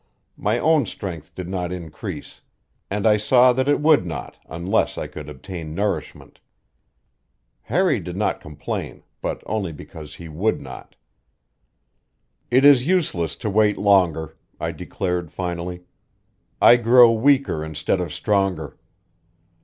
My own strength did not increase, and I saw that it would not unless I could obtain nourishment. Harry did not complain, but only because he would not. "It is useless to wait longer," I declared finally. "I grow weaker instead of stronger."